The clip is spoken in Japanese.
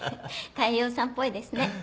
大陽さんっぽいですね。